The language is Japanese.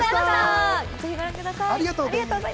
ぜひご覧ください。